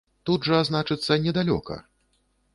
Тут жа, значыцца, недалёка.